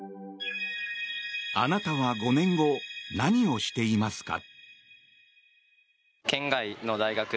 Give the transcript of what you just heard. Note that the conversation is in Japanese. あなたは５年後何をしていますか？